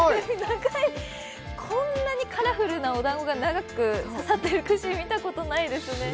こんなにカラフルなお団子が長く刺さっているのは見たことないですね。